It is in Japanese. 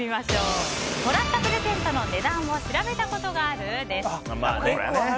もらったプレゼントの値段を調べたことがある？です。